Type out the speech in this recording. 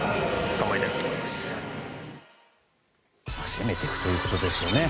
攻めていくということですよね。